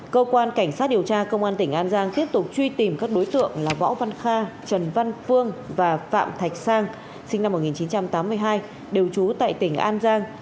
cơ quan cảnh sát điều tra công an tỉnh an giang tiếp tục truy tìm các đối tượng là võ văn kha trần văn phương và phạm thạch sang sinh năm một nghìn chín trăm tám mươi hai đều trú tại tỉnh an giang